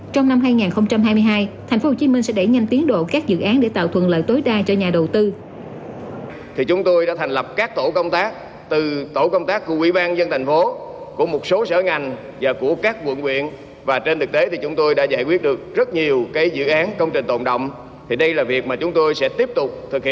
trong năm hai nghìn hai mươi hai tp hcm sẽ đẩy nhanh tiến độ các dự án để tạo thuận lợi tối đa cho nhà đầu tư